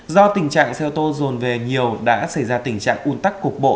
do tình trạng xe ô tô rồn về nhiều đã xảy ra tình trạng un tắc cục bộ